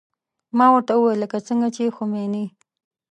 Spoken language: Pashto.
ما ورته وويل لکه څنګه چې خميني.